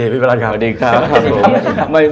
สวัสดีครับ